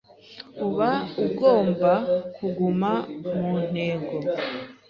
Uba ugomba kuguma ku ntego,